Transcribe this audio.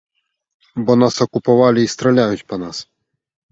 Бо нас акупавалі і страляюць па нас!